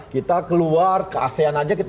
kita keluar ke asean aja kita